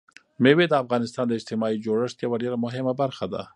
مېوې د افغانستان د اجتماعي جوړښت یوه ډېره مهمه برخه ده.